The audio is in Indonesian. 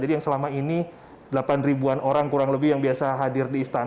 jadi yang selama ini delapan an orang kurang lebih yang biasa hadir di istana